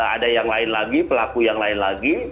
ada yang lain lagi pelaku yang lain lagi